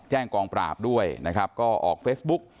กองปราบด้วยนะครับก็ออกเฟซบุ๊ก